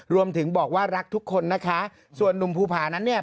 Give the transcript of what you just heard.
รวมถึงบอกว่ารักทุกคนนะคะส่วนหนุ่มภูผานั้นเนี่ย